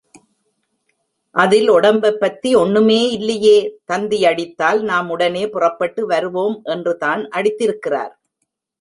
அதில் ஒடம்பைப் பத்தி ஒண்ணுமே இல்லையே? தந்தி யடித்தால் நாம் உடனே புறப்பட்டு வருவோம் என்றுதான் அடித்திருக்கிறார்.